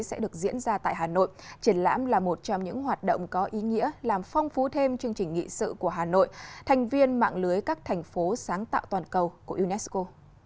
sẽ được diễn ra tại hà nội triển lãm là một trong những hoạt động có ý nghĩa làm phong phú thêm chương trình nghị sự của hà nội thành viên mạng lưới các thành phố sáng tạo toàn cầu của unesco